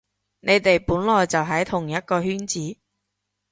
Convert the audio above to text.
你哋本來就喺同一個圈子